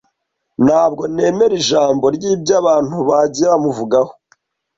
Ntabwo nemera ijambo ryibyo abantu bagiye bamuvugaho.